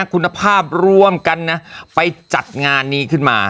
คุณภาพรวมกันนะไปจัดงานนี้ขึ้นมา